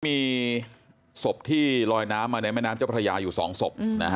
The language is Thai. มีศพที่ลอยน้ำมาในแม่น้ำเจ้าพระยาอยู่๒ศพ